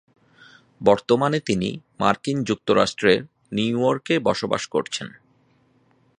বর্তমানে তিনি মার্কিন যুক্তরাষ্ট্রের নিউইয়র্কে বসবাস করছেন।